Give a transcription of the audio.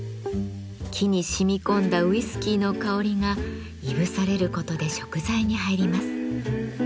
木にしみ込んだウイスキーの香りがいぶされることで食材に入ります。